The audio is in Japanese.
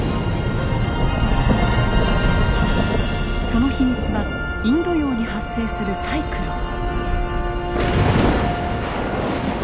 その秘密はインド洋に発生するサイクロン。